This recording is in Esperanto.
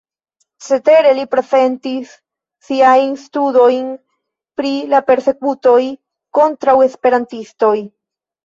Cetere li prezentis siajn studojn pri la persekutoj kontraŭ esperantistoj.